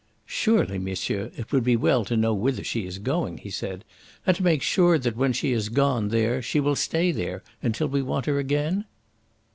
"Surely, monsieur, it would be well to know whither she is going," he said, "and to make sure that when she has gone there she will stay there until we want her again?"